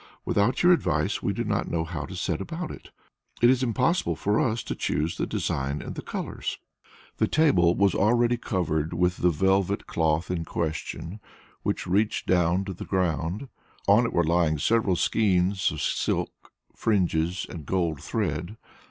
Without your advice we do not know how to set about it; it is impossible for us to choose the design and the colours." The table was already covered with the velvet cloth in question which reached down to the ground; on it were lying skeins of silk, fringes and gold thread.